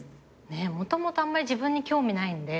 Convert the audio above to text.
もともとあんまり自分に興味ないんで。